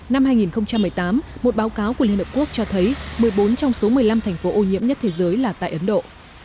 năm hai nghìn một mươi tám một báo cáo của liên hợp quốc cho thấy một mươi bốn trong số một mươi năm thành phố ô nhiễm nhất thế giới là tại ấn độ